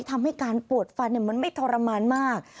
ทำให้การปวดฟันมันไม่ทรมานมาก